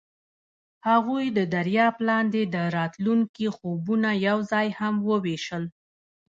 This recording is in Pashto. هغوی د دریاب لاندې د راتلونکي خوبونه یوځای هم وویشل.